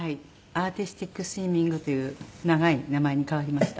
アーティスティックスイミングという長い名前に変わりました。